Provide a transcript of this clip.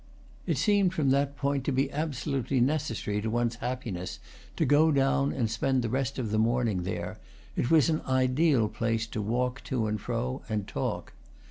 It seemed from that point to be absolutely necessary to one's happiness to go down and spend the rest of the morning there; it was an ideal place to walk to and fro and talk.